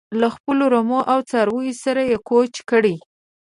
له خپلو رمو او څارویو سره یې کوچ کړی.